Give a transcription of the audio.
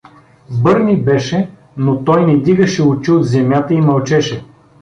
Бърни беше, но той не дигаше очи от земята и мълчеше.